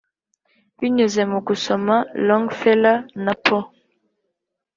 binyuze mu gusoma 'longfeller na poe,